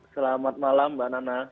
selamat malam mbak nana